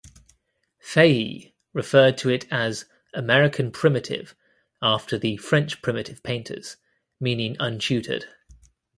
Fahey referred to it as 'American Primitive' after the 'French Primitive' painters, meaning untutored.